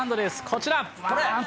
こちら。